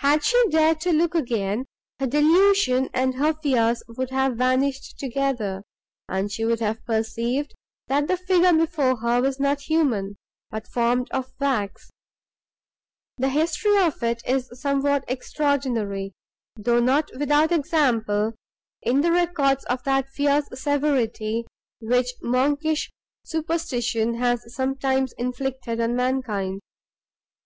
Had she dared to look again, her delusion and her fears would have vanished together, and she would have perceived, that the figure before her was not human, but formed of wax. The history of it is somewhat extraordinary, though not without example in the records of that fierce severity, which monkish superstition has sometimes inflicted on mankind.